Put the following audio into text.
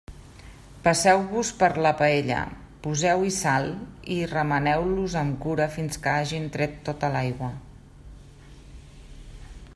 Passeu-los per la paella, poseu-hi sal i remeneu-los amb cura fins que hagin tret tota l'aigua.